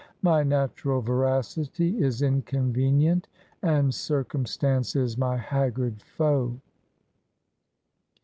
My natural veracity is in convenient, and circumstance is my haggard foe."